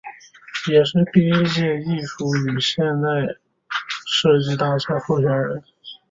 也是第一届艺术与设计大奖赛候选人。